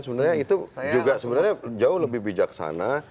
sebenarnya itu jauh lebih bijaksana